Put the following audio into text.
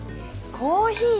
コーヒー。